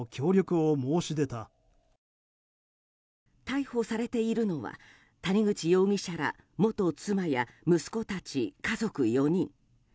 逮捕されているのは谷口容疑者ら元妻や息子たち家族４人。